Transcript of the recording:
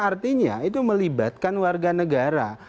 artinya itu melibatkan warga negara